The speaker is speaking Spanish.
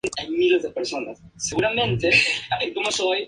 Se compone de las escuelas primarias, intermedias y secundarias.